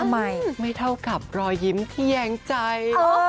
ไม่เท่ากับรอยยิ้มที่แยงใจ